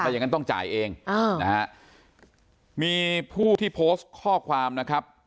อย่างนั้นต้องจ่ายเองอ่านะฮะมีผู้ที่โพสต์ข้อความนะครับ